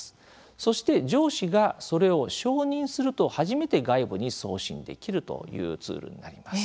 そして上司がそれを承認すると初めて外部に送信できるというツールになります。